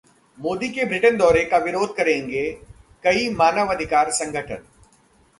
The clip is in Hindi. मोदी के ब्रिटेन दौरे का विरोध करेंगे कई मानवाधिकार संगठन